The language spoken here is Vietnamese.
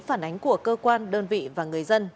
phản ánh của cơ quan đơn vị và người dân